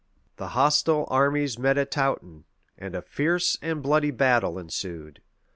The hostile armies met at Touton; and a fierce and bloody battle ensued.